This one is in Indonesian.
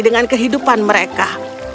dengan kehidupan mereka